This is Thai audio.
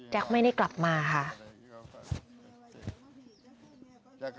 แจ๊คไม่ได้กลับมาค่ะ